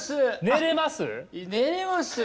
寝れます！